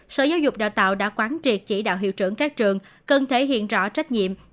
sở giáo dục đào tạo đã quán triệt chỉ đạo hiệu trưởng các trường cần thể hiện rõ trách nhiệm